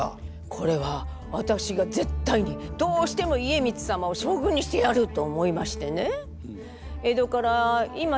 これはわたくしがぜったいにどうしても家光様を将軍にしてやると思いましてね